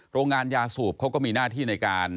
โรงงานยาสูบเขาก็มีหน้าที่ในการ